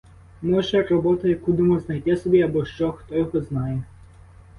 Може, роботу яку думав знайти собі абощо — хто його знає.